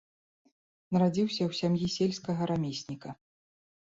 Нарадзіўся ў сям'і сельскага рамесніка.